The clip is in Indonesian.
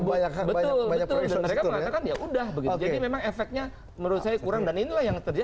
betul betul dan mereka mengatakan ya udah jadi memang efeknya menurut saya kurang dan inilah yang terjadi